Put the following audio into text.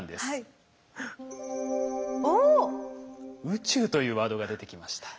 「宇宙」というワードが出てきました。